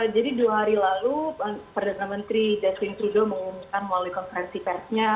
jadi dua hari lalu perdana menteri jasmin trudeau mengumumkan melalui konferensi pes nya